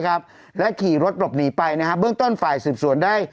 ครับและขี่รถหลบหนีไปนะฮะเบื้องต้นฝ่ายสืบสวนได้